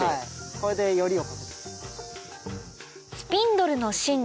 これで撚りを。